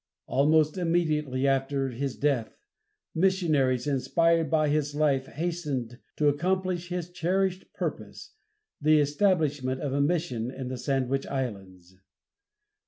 Almost immediately after his death, missionaries, inspired by his life, hastened to accomplish his cherished purpose, the establishment of a mission in the Sandwich Islands.